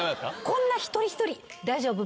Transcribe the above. こんな一人一人大丈夫？